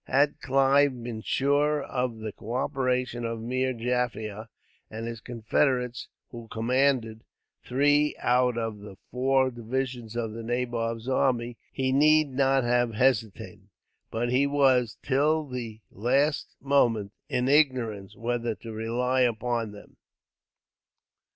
Had Clive been sure of the cooperation of Meer Jaffier and his confederates, who commanded three out of the four divisions of the nabob's army, he need not have hesitated. But he was, till the last moment, in ignorance whether to rely upon them.